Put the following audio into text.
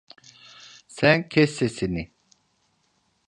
Sen kes sesini!